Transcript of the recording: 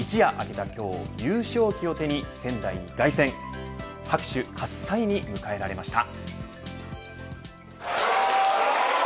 一夜明けた今日優勝旗を手に仙台をがい旋拍手喝采に迎えられました。